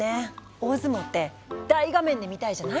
大相撲って大画面で見たいじゃない？